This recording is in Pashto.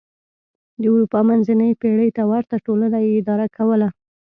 د اروپا منځنۍ پېړۍ ته ورته ټولنه یې اداره کوله.